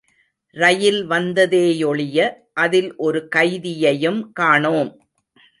ரயில் வந்ததே யொழிய அதில் ஒரு கைதியையும் காணோம்!